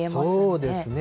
そうですね。